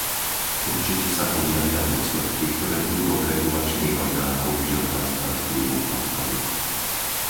Určite sa objavia dôsledky, ktoré budú od regulačných orgánov vyžadovať starostlivú kontrolu.